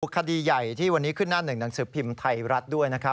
คดีใหญ่ที่วันนี้ขึ้นหน้าหนึ่งหนังสือพิมพ์ไทยรัฐด้วยนะครับ